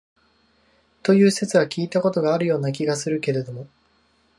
という説は聞いた事があるような気がするけれども、